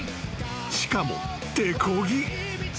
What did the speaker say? ［しかも手こぎ］